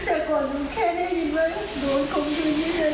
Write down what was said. แต่ก่อนหนูแค่ได้ยินว่าโดนคงอยู่นี่แหละ